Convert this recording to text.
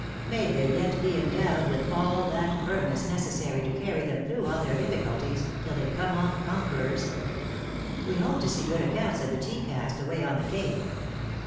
May they yet be endowed with all that firmness necessary to carry them through all their difficulties, till they come off conquerors. We hope to see good accounts of the tea cast away on the Cape.